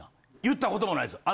言ったこともないです。